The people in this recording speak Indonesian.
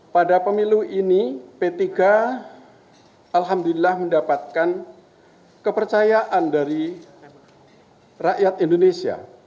pada pemilu ini p tiga alhamdulillah mendapatkan kepercayaan dari rakyat indonesia